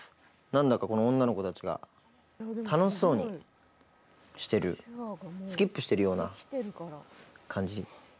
なんだか、この女の子たちが楽しそうにしてるスキップしてるような感じ。